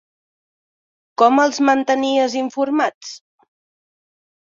Com els mantenies informats?